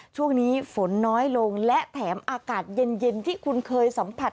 ช่วงนี้ฝนน้อยลงและแถมอากาศเย็นที่คุณเคยสัมผัส